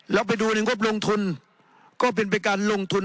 แล้วไปดูในงบลงทุนก็เป็นไปการลงทุน